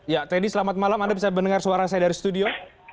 ya teddy selamat malam anda bisa mendengar suara saya dari studio